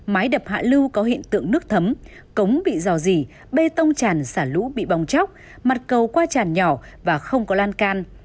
mái đập hạ lưu có hiện tượng nước thấm cống bị dò dỉ bê tông tràn xả lũ bị bong chóc mặt cầu qua tràn nhỏ và không có lan can